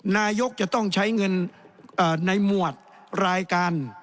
นายกจะต้องใช้เงินในหมวดรายการ